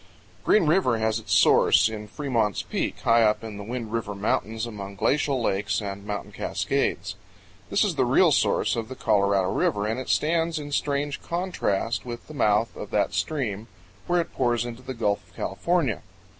GREEN RIVER has its source in Fremont's Peak, high up in the Wind River Mountains among glacial lakes and mountain cascades. This is the real source of the Colorado River, and it stands in strange contrast with the mouth of that stream where it pours into the Gulf of California.